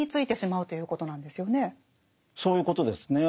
そういうことですね。